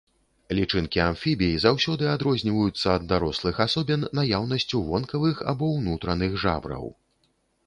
Лічынкі амфібій заўсёды адрозніваюцца ад дарослых асобін наяўнасцю вонкавых або ўнутраных жабраў.